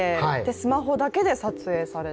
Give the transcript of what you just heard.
スマホだけで撮影をされて。